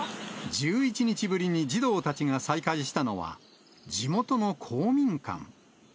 １１日ぶりに児童たちが再会したのは、地元の公民館。